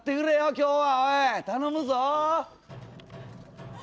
今日はおい頼むぞ！